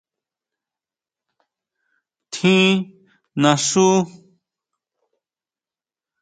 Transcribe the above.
¿Tjín naxú?